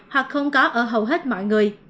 hoặc không có ở hầu hết mọi người